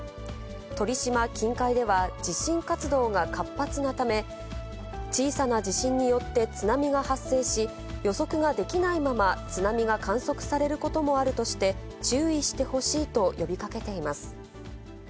鳥島近海では地震活動が活発なため、小さな地震によって津波が発生し、予測ができないまま津波が観測されることもあるとして、注意してほしいと呼びかけています。